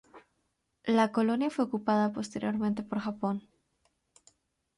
La colonia fue ocupada posteriormente por Japón.